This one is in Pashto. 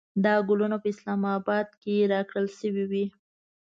دا ګلونه په اسلام اباد کې راکړل شوې وې.